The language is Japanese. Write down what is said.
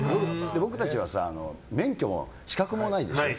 僕たちは免許も資格もないでしょ。